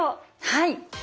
はい。